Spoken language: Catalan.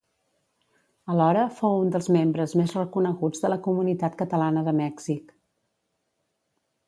Alhora, fou un dels membres més reconeguts de la comunitat catalana de Mèxic.